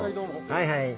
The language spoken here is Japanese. はいはい。